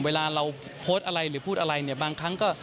เวลาเราโพสต์อะไรหรือพูดอะไรเนี่ยบางครั้งก็